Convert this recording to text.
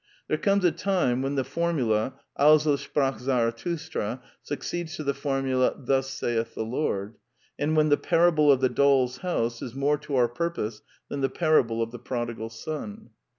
There comes a time when the formula " Also sprach Zarathustra " succeeds to the formula " Thus saith the Lord," and when the parable of the doll's house is more to our purpose than the parable of the prodigal ^on.